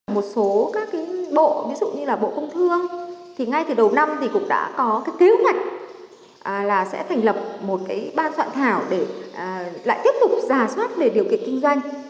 một số các bộ ví dụ như là bộ công thương thì ngay từ đầu năm thì cũng đã có cái kế hoạch là sẽ thành lập một cái ban soạn thảo để lại tiếp tục giả soát về điều kiện kinh doanh